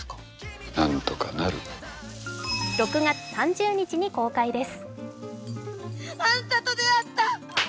６月３０日に公開です。